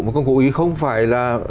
một công cụ ý không phải là